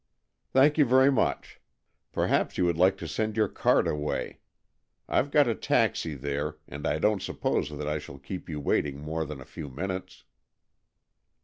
" Thank you very much. Perhaps you would like to send your cart away. I've got a taxi there, and I don't suppose that I shall keep you waiting more than a few minutes."